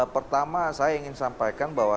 pertama saya ingin sampaikan bahwa